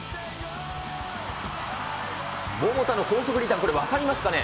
桃田の高速リターン、これ、分かりますかね。